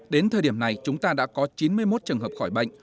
đến thời điểm này chúng ta đã có chín mươi một trường hợp khỏi bệnh